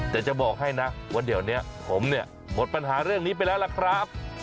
แต่จะบอกให้นะว่าเดี๋ยวนี้ผมเนี่ยหมดปัญหาเรื่องนี้ไปแล้วล่ะครับ